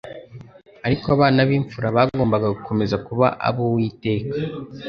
Ariko abana b'imfura bagombaga gukomeza kuba ab'Uwiteka,